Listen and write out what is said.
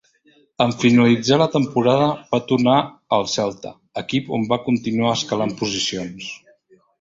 En finalitzar la temporada va tornar al Celta, equip on va continuar escalant posicions.